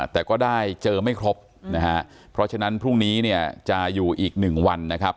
แต่ก็ได้เจอไม่ครบนะฮะเพราะฉะนั้นพรุ่งนี้เนี่ยจะอยู่อีกหนึ่งวันนะครับ